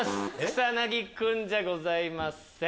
草薙君じゃございません。